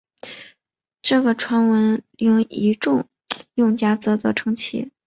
这个传闻令一众用家啧啧称奇！